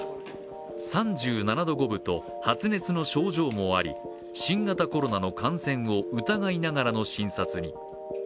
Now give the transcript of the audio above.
３７度５分と発熱の症状もあり新型コロナを疑いながらの診察に。